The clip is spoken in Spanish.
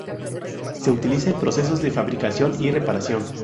Se utiliza en procesos de fabricación y reparación.